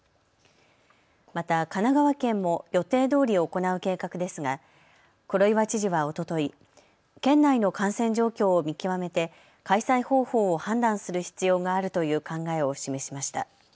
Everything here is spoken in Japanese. また神奈川県も予定どおり行う計画ですが黒岩知事はおととい、県内の感染状況を見極めて開催方法を判断する必要があるという考えを示しました。